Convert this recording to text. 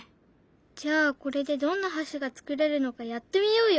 じゃあこれでどんな橋が作れるのかやってみようよ！